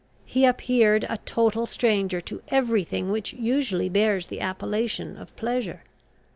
He appeared a total stranger to every thing which usually bears the appellation of pleasure.